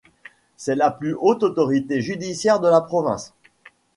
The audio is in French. C’est la plus haute autorité judiciaire de la province.